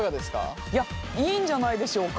いやいいんじゃないでしょうか。